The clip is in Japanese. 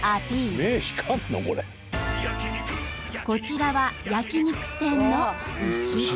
こちらは焼き肉店の牛。